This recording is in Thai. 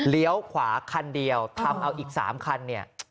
ขวาคันเดียวทำเอาอีก๓คันเนี่ย